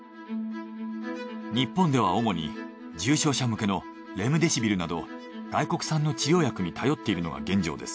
日本では主に重症者向けのレムデシビルなど外国産の治療薬に頼っているのが現状です。